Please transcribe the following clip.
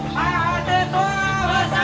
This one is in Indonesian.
jangan balik pak